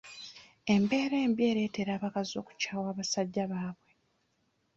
Embeera embi ereetera abakazi okukyawa abasajja baabwe.